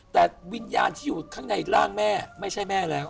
แต่วิญญาณที่อยู่ข้างในร่างแม่ไม่ใช่แม่แล้ว